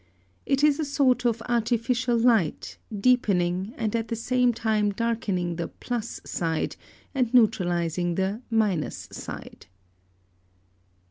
It is a sort of artificial light, deepening, and at the same time darkening the plus side, and neutralising the minus side.